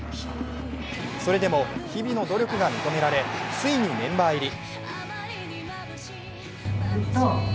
それでも日々の努力が認められついにメンバー入り。